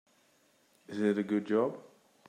Is it a good job?